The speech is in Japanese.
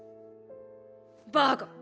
バカ！